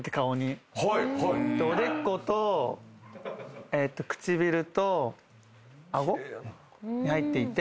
おでこと唇と顎に入っていて。